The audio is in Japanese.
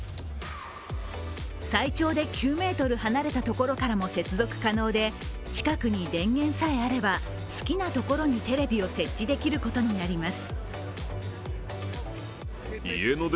最長で９ｍ離れた所からも接続可能で近くに電源さえあれば好きなところにテレビを設置できることになります。